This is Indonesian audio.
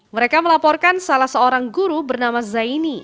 mereka melaporkan salah seorang guru bernama zaini